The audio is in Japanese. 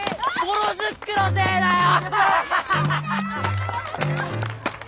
ボロズックのせいだよ！